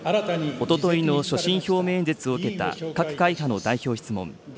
おとといの所信表明演説を受けた各会派の代表質問。